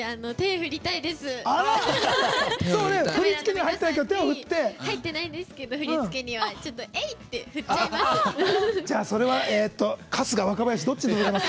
振り付けには入ってないんですけどえいっ！って振っちゃいます。